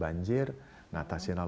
bagaimana mengatasi banjir